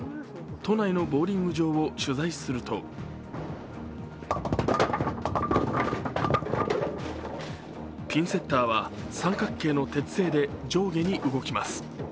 都内のボウリング場を取材するとピンセッターは三角形の鉄製で、上下に動きます。